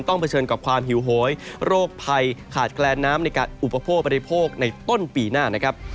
ต้องเผชิญกับความหิวโหยโรคภัยขาดแกล้นน้ำในการอุปโภคประโดยโภคในต้นปีหน้า